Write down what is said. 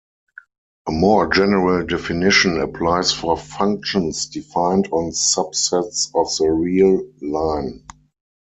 A more general definition applies for functions defined on subsets of the real line.